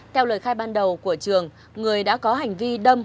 theo lời khai ban đầu của trường người đã có hành vi đâm